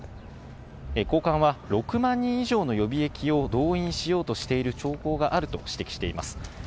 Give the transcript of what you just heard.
高官は、６万人以上の予備役を動員しようとしている兆候があると指摘しています。